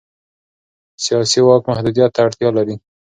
سیاسي واک محدودیت ته اړتیا لري